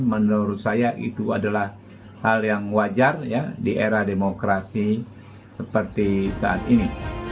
menurut saya itu adalah hal yang wajar di era demokrasi seperti saat ini